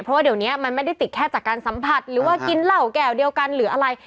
เพราะว่าเดี๋ยวนี้มันไม่ได้ติดแค่จากการสัมผัสหรือว่ากินเหล้าแก้วเดียวกันหรืออะไร